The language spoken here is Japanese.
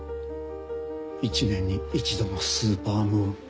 一年に一度のスーパームーン。